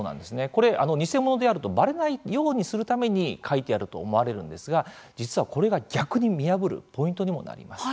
これ、偽物であるとばれないようにするために書いてあると思われるんですが実は、これが逆に見破るポイントにもなります。